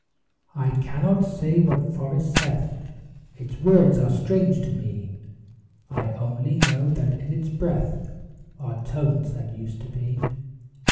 I cannot say what forest saith Its words are strange to me: I only know that in its breath Are tones that used to be.